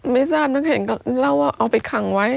ไม่ทราบนึกเห็นก็เล่าว่าเอาไปขังไว้